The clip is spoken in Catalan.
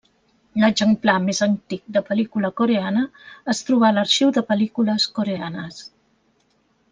L'exemplar més antic de pel·lícula coreana es trobà a l'Arxiu de Pel·lícules Coreanes.